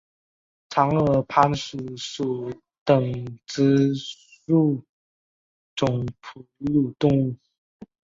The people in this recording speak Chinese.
长耳攀鼠属等之数种哺乳动物。